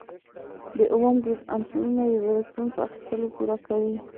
د اووم ګروپ عنصرونه یو الکترون په اخیستلو پوره کوي.